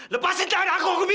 lepasin tangan aku ruby mentioning